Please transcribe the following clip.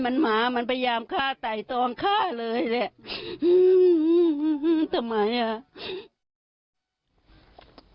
มันหมามันพยายามฆ่าไต่ตองฆ่าเลยแหละอืมทำไมอ่ะ